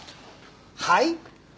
はい？